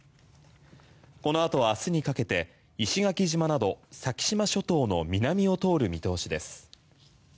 この後は明日にかけて石垣島など先島諸島の南を通る見通しです。